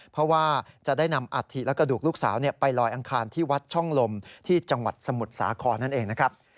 เพราะว่าจะได้นำอัฐิและกระดูกลูกสาวไปลอยอังคารที่วัดช่องลมที่จังหวัดสมุทรสาครนั่นเองนะครับ